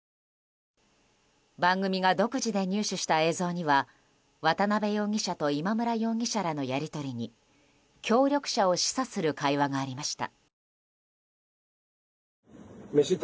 番組が独自で入手した映像には渡邉容疑者と今村容疑者らのやり取りに協力者を示唆する会話がありました。